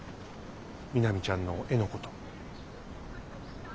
みなみちゃんの絵のこと。